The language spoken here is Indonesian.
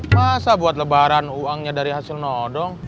masa buat lebaran uangnya dari hasil nodong